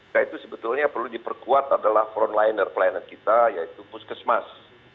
nah itu sebetulnya yang perlu diperkuat adalah frontliner pelayanan kita yaitu puskesmas